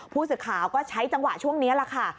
ผู้สื่อข่าวก็ใช้จังหวะช่วงนี้แหละค่ะ